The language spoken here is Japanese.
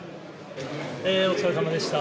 お疲れさまでした。